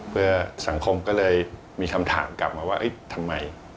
เพื่อสังคมก็เลยมีคำถามกลับมาว่าทำไม